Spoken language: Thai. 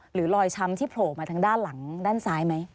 หรือรอยช้ำที่โผล่มาทางด้านหลังด้านซ้ายไหม